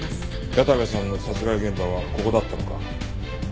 矢田部さんの殺害現場はここだったのか。